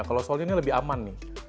kalau soalnya ini lebih aman nih